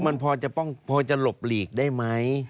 มันพอจะป้องพอจะหลบหลีกได้ไหม